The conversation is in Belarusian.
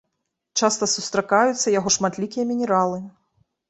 Часта сустракаюцца яго шматлікія мінералы.